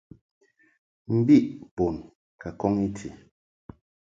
Mbi bun ka kɔn I ti.